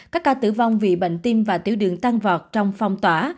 các ca tử vong vì bệnh tim và tiểu đường tăng vọt trong phong tỏa